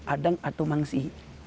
adeng atau mangsi